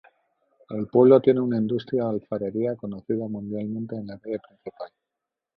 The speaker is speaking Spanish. El pueblo tiene una industria de alfarería conocida mundialmente en la calle principal.